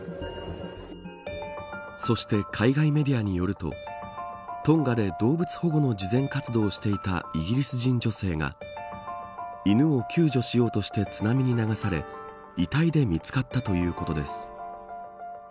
そして、海外メディアによるとトンガで動物保護の慈善活動をしていたイギリス人女性が犬を救助しようとして津波に流され遺体で見つかったということです。